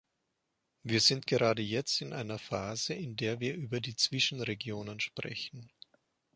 Wir sind gerade jetzt in einer Phase, in der wir über die Zwischenregionen sprechen.